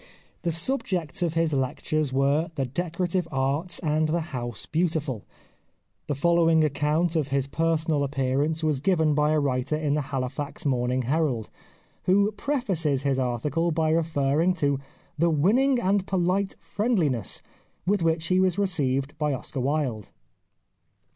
The subjects of his lectures were " The Decorative Arts " and " The House Beautiful." The following account of his personal appearance was given by a writer in the Halifax Morning Herald, who prefaces his article by referring to the " winning and polite friendli ness " with which he was received by Oscar Wilde.